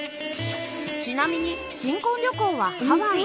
ちなみに新婚旅行はハワイ